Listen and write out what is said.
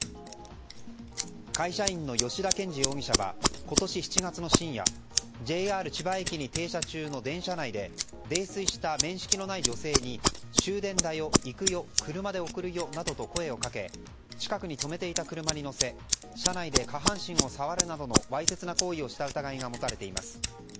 会社員の吉田憲二容疑者は今年７月の深夜ＪＲ千葉駅に停車中の電車内で泥酔した面識のない女性に終電だよ、行くよ、車で送るよなどと声をかけ近くに止めていた車に乗せ車内で下半身を触るなどのわいせつな行為をした疑いが持たれています。